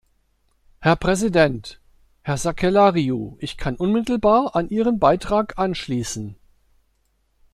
Herr Präsident! Herr Sakellariou, ich kann unmittelbar an Ihren Beitrag anschließen.